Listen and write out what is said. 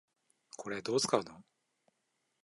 これ、どう使うの？